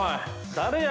誰や？